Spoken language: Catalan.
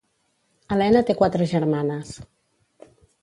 Helena té quatre germanes.